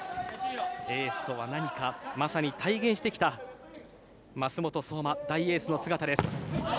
エースとは何かまさに体現してきた舛本颯真、大エースの姿です。